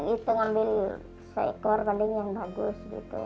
itu ngambil seekor kan ini yang bagus gitu